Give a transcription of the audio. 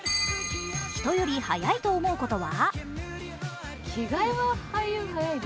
人よりはやいと思うことは？